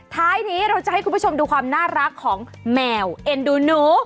ท้ายนี้เราจะให้คุณผู้ชมดูความน่ารักของแมวเอ็นดูหนู